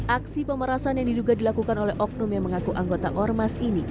aksi pemerasan yang diduga dilakukan oleh oknum yang mengaku anggota ormas ini